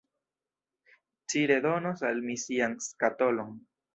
Ci redonos al mi mian skatolon.